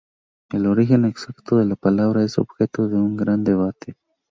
El origen exacto de la palabra es objeto de un gran debate.